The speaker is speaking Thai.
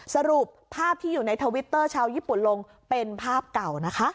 สรุปภาพที่อยู่ในทวิตเตอร์ชาวญี่ปุ่นลงเป็นภาพเก่านะคะ